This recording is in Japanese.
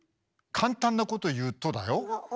簡単なこと言うとだよ？